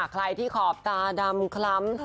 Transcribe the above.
ใครที่ขอบตาดำคล้ำ